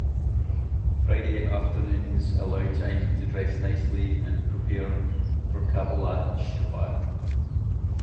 Friday afternoons allow time to dress nicely and prepare for Kabbalat Shabbat.